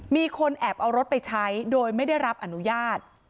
มีคนแอบเอารถไปใช้โดยไม่ได้รับอนุญาต